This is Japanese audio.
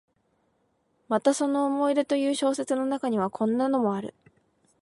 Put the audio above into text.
またその「思い出」という小説の中には、こんなのもある。